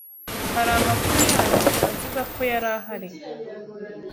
Hari amakuru yandi avuga ko yarahari